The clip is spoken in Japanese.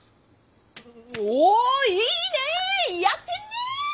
おぉいいねえやってんね！